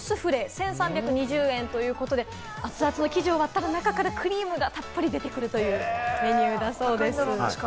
１３２０円ということで、熱々の生地を割ったら中からクリームがたっぷり出てくるというメニューだそうです。